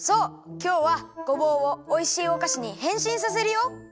きょうはごぼうをおいしいおかしにへんしんさせるよ！